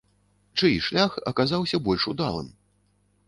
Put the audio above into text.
Чый шлях аказаўся больш удалым?